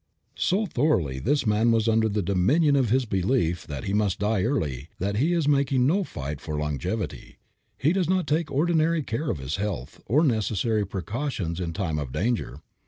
So thoroughly is this man under the dominion of his belief that he must die early that he is making no fight for longevity. He does not take ordinary care of his health, or necessary precautions in time of danger.